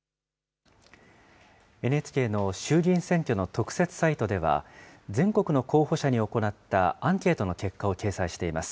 ＮＨＫの衆議院選挙の特設サイトでは、全国の候補者に行ったアンケートの結果を掲載しています。